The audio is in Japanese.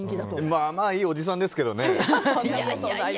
まあまあいいおじさんですけどね。